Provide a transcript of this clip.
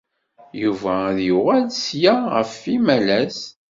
Yuba ad d-yuɣal ssya ɣef yimalas.